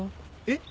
えっ！？